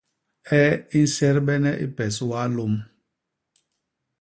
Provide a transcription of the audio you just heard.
Ee i nsedbene i pes walôm.